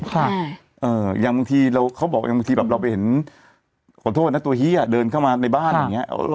อย่างบางทีเราเขาบอกอย่างบางทีแบบเราไปเห็นขอโทษนะตัวเฮียเดินเข้ามาในบ้านอย่างเงี้